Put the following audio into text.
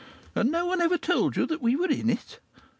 And no one ever told you that we were in it?